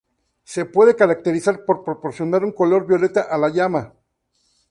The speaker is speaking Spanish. Se puede caracterizar por proporcionar un color violeta a la llama.